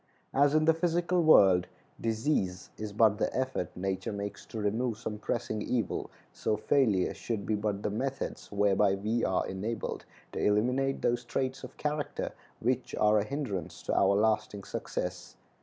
As in the physical world, disease is but the effort nature makes to remove some pressing evil, so failure should be but the methods whereby we are enabled to eliminate those traits of character which are a hindrance to our lasting success.